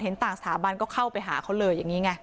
ต่างสถาบันก็เข้าไปหาเขาเลยอย่างนี้ไง